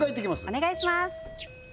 お願いします